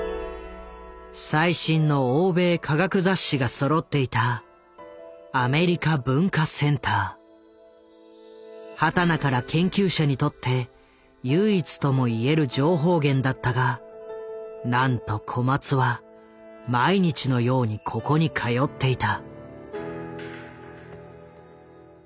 最新の欧米科学雑誌がそろっていた畑中ら研究者にとって唯一とも言える情報源だったがなんと小松は毎日のようにここに通っていた。